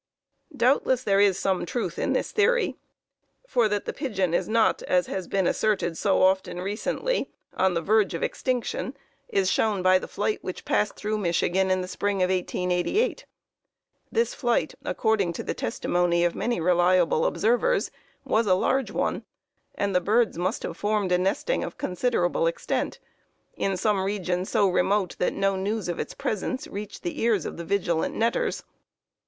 Doubtless there is some truth in this theory; for, that the pigeon is not, as has been asserted so often recently, on the verge of extinction, is shown by the flight which passed through Michigan in the Spring of 1888. This flight, according to the testimony of many reliable observers, was a large one, and the birds must have formed a nesting of considerable extent in some region so remote that no news of its presence reached the ears of the vigilant netters.